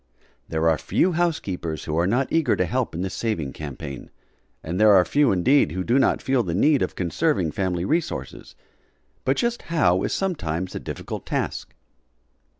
There are few housekeepers who are not eager to help in this saving campaign, and there are few indeed who do not feel the need of conserving family resources. But just how is sometimes a difficult task.